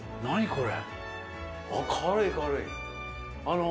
これ。